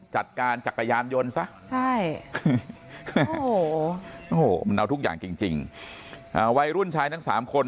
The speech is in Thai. จัดการจักรยานยนต์ซะมันเอาทุกอย่างจริงวัยรุ่นชายทั้ง๓คน